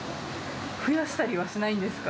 増やしたりはしないんですか？